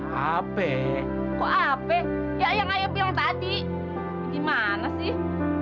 hp hp yang tadi gimana sih